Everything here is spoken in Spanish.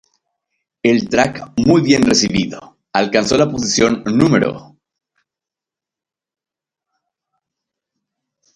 El track, muy bien recibido, alcanzó la posición Núm.